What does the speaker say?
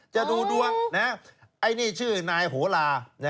จะดูดวงไอ้นี่ชื่อนายโหลา